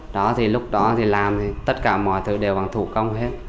đó thì lúc đó thì làm thì tất cả mọi thứ đều bằng thủ công hết